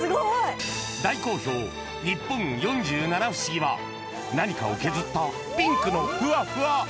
大好評ニッポン全国４７不思議は何かを削ったピンクのふわふわ。